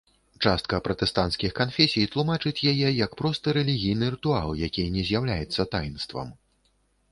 Частка пратэстанцкіх канфесій тлумачыць яе як просты рэлігійны рытуал, які не з'яўляецца таінствам.